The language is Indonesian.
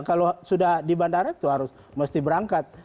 kalau sudah di bandara itu harus mesti berangkat